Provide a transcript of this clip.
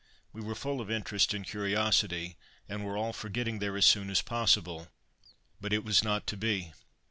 We were full of interest and curiosity, and were all for getting there as soon as possible. But it was not to be.